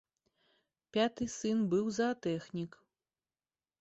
Пяты сын быў заатэхнік.